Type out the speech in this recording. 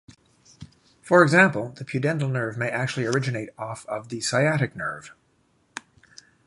For example, the pudendal nerve may actually originate off of the sciatic nerve.